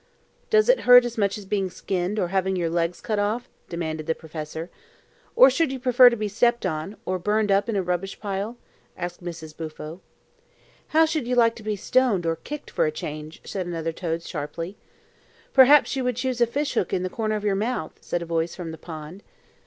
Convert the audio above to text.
"Does it hurt as much as being skinned, or having your legs cut off?" demanded the professor. "Or should you prefer to be stepped on, or burned up in a rubbish pile?" asked Mrs. Bufo. "How should you like to be stoned or kicked, for a change?" said another toad sharply. "Perhaps you would choose a fish hook in the corner of your mouth?" said a voice from the pond.